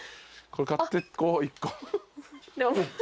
これ買ってこう１個。